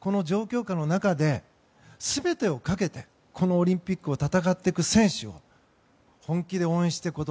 この状況下の中で全てをかけてこのオリンピックを戦っていく選手を本気で応援していくこと。